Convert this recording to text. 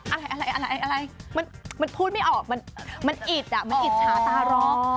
อะไรอะไรมันพูดไม่ออกมันอิดอ่ะมันอิจฉาตาร้อง